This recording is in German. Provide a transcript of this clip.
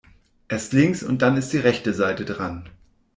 Erst links und dann ist die rechte Seite dran.